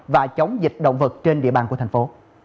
và chống dịch động vật trên địa bàn của thành phố